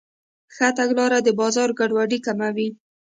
ښه تګلاره د بازار ګډوډي کموي.